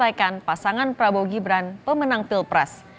keputusan kpu yang menyatakan pasangan prabowo gibran pemenang pilpres